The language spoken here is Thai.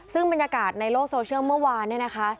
ซึ่งบรรยากาศในโลกโซเชียลเมื่อวานเนี่ยนะคะ